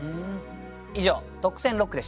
以上特選六句でした。